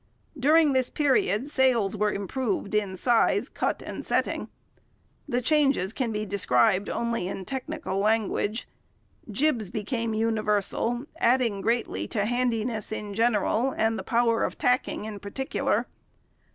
During this period sails were improved in size, cut, and setting. The changes can be described only in technical language. Jibs became universal, adding greatly to handiness in general and the power of tacking in particular.